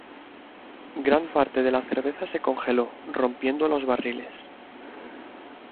Gran parte de la cerveza se congeló, rompiendo los barriles.